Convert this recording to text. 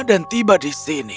dan tiba di sini